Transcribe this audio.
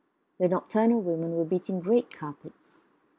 The nocturnal women were beating great carpets.